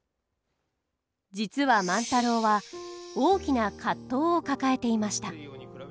実は万太郎は大きな葛藤を抱えていました。